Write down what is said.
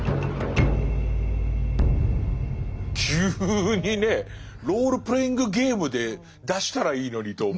急にねロールプレイングゲームで出したらいいのにと思うような。